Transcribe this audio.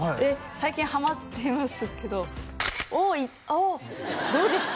最近ハマっていますけどおおどうでした？